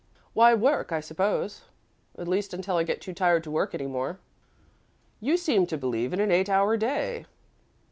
"Why, work, I suppose at least until I get too tired to work any more." "You seem to believe in an eight hour day."